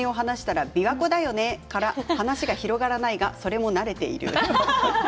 初対面の人に出身を話したら琵琶湖だよねから話が広がらないがそれも慣れている。